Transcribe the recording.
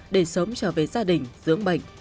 để sớm trở về gia đình dưỡng bệnh